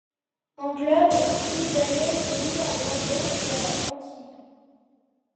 En club, Philippe Baillet évolue à Bordeaux et à Antibes.